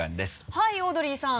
はいオードリーさん。